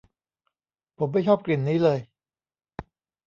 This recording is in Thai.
ผมไม่ชอบกลิ่นนี้เลย